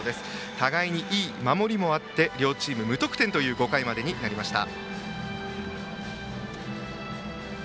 互いに、いい守りもあって両チーム、無得点という５回までとなりました。